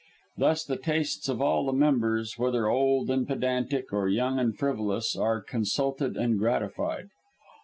Thus, the tastes of all the members, whether old and pedantic, or young and frivolous, are consulted and gratified.